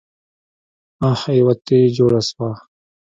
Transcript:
اح يوه تې جوړه شوه.